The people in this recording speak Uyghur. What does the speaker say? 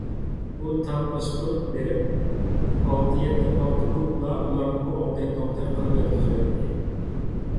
ئۇ تاپ باستۇرۇپ بېرىپ، ئالتە - يەتتە پالتا ئۇرۇپلا ئۇلارنىمۇ ئوڭتەي - توڭتەي قىلىپ ياتقۇزۇۋەتتى.